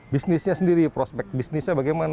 bisnisnya sendiri prospek bisnisnya bagaimana